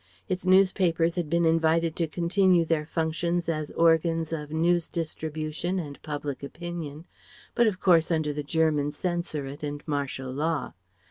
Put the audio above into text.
Its newspapers had been invited to continue their functions as organs of news distribution and public opinion, but of course under the German Censorate and martial law.